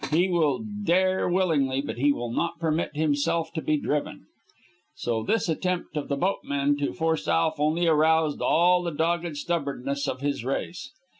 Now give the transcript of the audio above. He will dare willingly, but he will not permit himself to be driven. So this attempt of the boatmen to force Alf only aroused all the dogged stubbornness of his race.